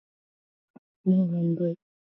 もうめんどい